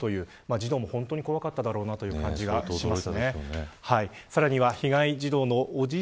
児童も怖かっただろうなという感じがします。